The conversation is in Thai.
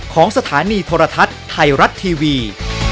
ของสถานีโทรทัศน์ไทยรัฐทีวี